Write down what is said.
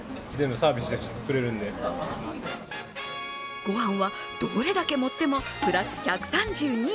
ご飯はどれだけ持ってもプラス１３２円。